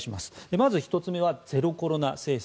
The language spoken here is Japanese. まず１つ目は、ゼロコロナ政策。